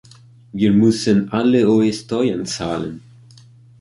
Wir müssen alle hohe Steuern zahlen.